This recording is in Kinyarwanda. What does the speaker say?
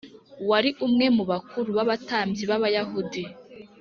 wari umwe mu bakuru b abatambyi b Abayahudi